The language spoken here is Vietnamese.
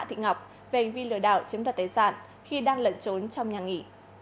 hạ thịnh ngọc về hành vi lừa đảo chiếm đoạt tài sản khi đang lẩn trốn trong nhà nghỉ